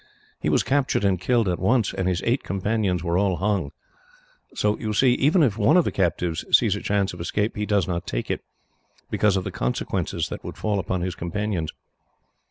He was captured and killed at once, and his eight companions were all hung. So you see, even if one of the captives sees a chance of escape, he does not take it, because of the consequences that would fall upon his companions."